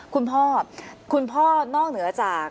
คุณพ่อนอกเหนือจาก